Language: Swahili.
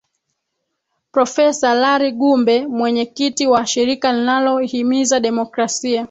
profesa lari gumbe mwenyekiti wa shirika linalohimiza demokrasia